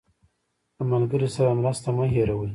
له ملګري سره مرسته مه هېروه.